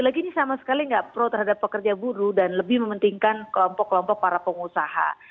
karena ini adalah perubahan yang lebih penting untuk pekerja buruh dan lebih mementingkan kelompok kelompok para pengusaha